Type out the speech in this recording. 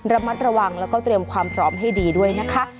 ระมัดระวังแล้วก็เตรียมความพร้อมให้ดีด้วยนะคะ